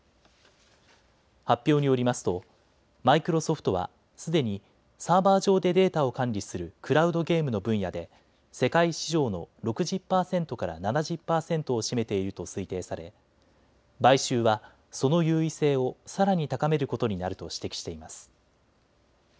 発表によりますとマイクロソフトはすでにサーバー上でデータを管理するクラウドゲームの分野で世界市場の６０％から７０％を占めていると推定され買収はその優位性をさらに高めることになると指摘しています。